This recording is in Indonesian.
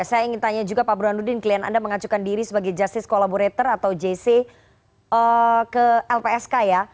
saya ingin tanya juga pak burhanuddin klien anda mengajukan diri sebagai justice collaborator atau jc ke lpsk ya